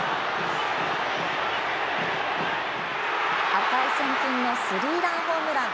値千金のスリーランホームラン。